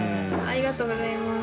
ありがとうございます。